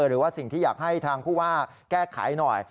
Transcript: หรือว่าสิ่งที่อยากให้ทางผู้ว่าแก้ไขหน่อย